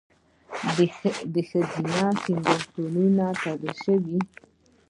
د ښځینه سینګارتونونه تړل شوي؟